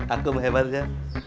aku memang hebat ya